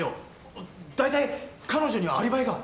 大体彼女にはアリバイが。